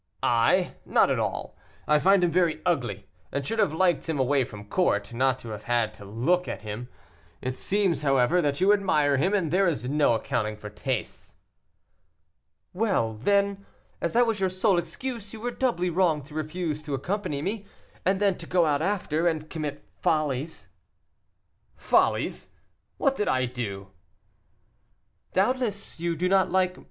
"I! not at all. I find him very ugly, and should have liked him away from court, not to have had to look at him. It seems, however, that you admire him, and there is no accounting for tastes." "Well, then, as that was your sole excuse, you were doubly wrong to refuse to accompany me, and then to go out after, and commit follies." "Follies! what did I do?" "Doubtless, you do not like MM.